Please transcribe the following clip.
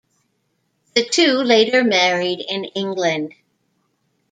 The two later married in England.